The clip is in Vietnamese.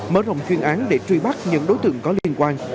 mở rộng chuyên án để truy bắt những đối tượng có liên quan